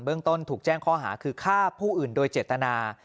ต้นถูกแจ้งข้อหาคือฆ่าผู้อื่นโดยเจตนา